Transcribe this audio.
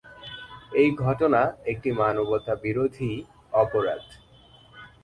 এই ঘটনা একটি মানবতাবিরোধী অপরাধ।